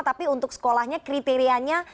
tapi untuk sekolahnya kriteriannya